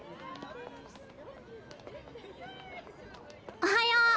おはよう！